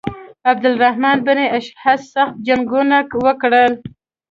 عبدالرحمن بن اشعث سخت جنګونه وکړل.